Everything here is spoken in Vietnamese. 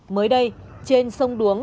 mới đây trên sông đuống